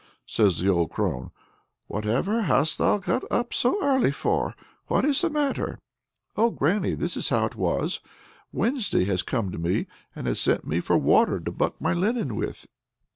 says the old crone; "whatever hast thou got up so early for? What's the matter?" "Oh, granny, this is how it was. Wednesday has come to me, and has sent me for water to buck my linen with."